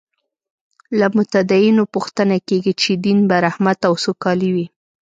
له متدینو پوښتنه کېږي چې دین به رحمت او سوکالي وي.